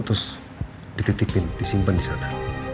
terus dititikin disimpan disana